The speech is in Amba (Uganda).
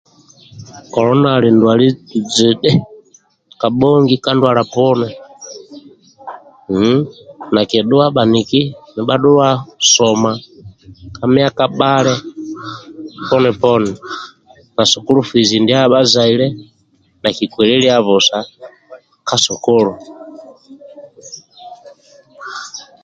Kolona ali ndwali jidhi kabhongi ka ndwala poni hmm nakidhuwa bhaniki nibhadhuwa soma ka myaka bhali poni poni na sukulu fizi ndia bhazaile nakikwelilia busa ka sukulu.